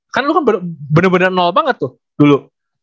kan lo kan bener bener nol banget tuh dulu